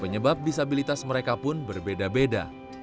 penyebab disabilitas mereka pun berbeda beda